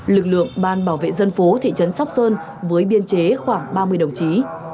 lực lượng ban bảo vệ dân phố thị trấn sóc sơn với biên chế khoảng ba mươi đồng chí